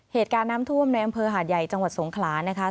เหตุการณ์น้ำท่วมในอำเภอหาดใหญ่จังหวัดสงขลานะคะ